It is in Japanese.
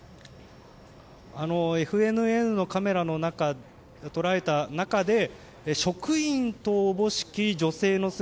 ＦＮＮのカメラで捉えた中で職員と思しき女性の姿